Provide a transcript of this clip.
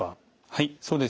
はいそうですね。